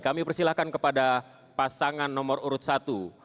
kami persilahkan kepada pasangan nomor urut satu